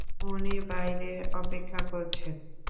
উনি বাহিরে অপেক্ষা করছেন!